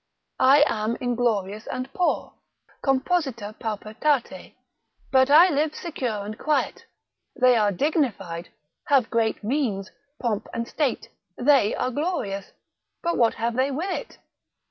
I am inglorious and poor, composita paupertate, but I live secure and quiet: they are dignified, have great means, pomp, and state, they are glorious; but what have they with it?